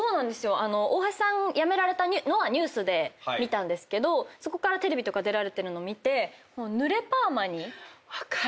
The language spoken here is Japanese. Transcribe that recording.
大橋さん辞められたのはニュースで見たんですけどそこからテレビとか出られてるの見て。